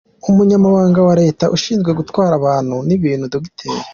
Umunyamabanga wa Leta ushinzwe gutwara abantu n’ibintu Dr.